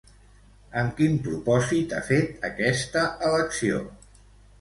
Amb quin propòsit ha fet aquesta elecció?